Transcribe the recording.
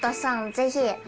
ぜひ！